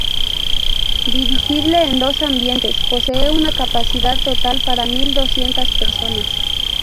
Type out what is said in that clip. Divisible en dos ambientes posee una capacidad total para mil doscientas personas.